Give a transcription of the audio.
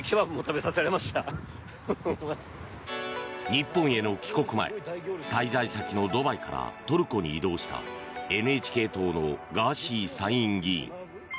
日本への帰国前滞在先のドバイからトルコに移動したＮＨＫ党のガーシー参院議員。